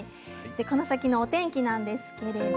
この先の天気なんですけれど